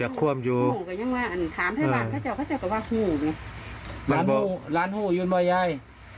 หลานหู้หลานหู้ยูนบ่ายาย